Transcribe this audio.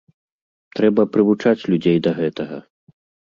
Трэба прывучаць людзей да гэтага!